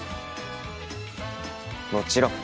もちろん。